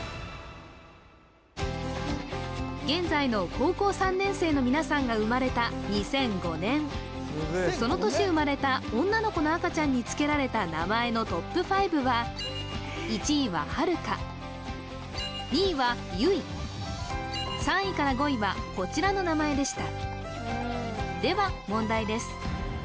現在の高校３年生の皆さんが生まれた２００５年その年生まれた女の子の赤ちゃんにつけられた名前のトップ５は１位ははるか２位はゆい３位から５位はこちらの名前でしたでは問題です